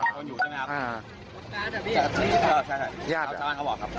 คนอยู่ใช่ไหมครับจ้าบ้านเขาบอกครับ